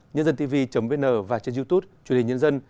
nhândântv vn và trên youtube chương trình nhân dân